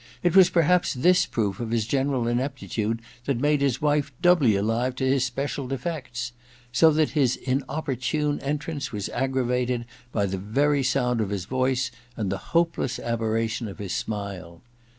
It was perhaps this proof of his general ineptitude that made his wife doubly alive to his special defects ; so that his inopportune entrance was aggravated by the very sound of his voice and the hopeless aber* ration of his smile.